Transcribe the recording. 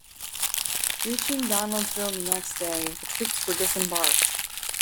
Reaching Donaldsonville the next day, the troops were disembarked.